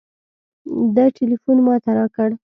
ده ټېلفون ما ته راکړ.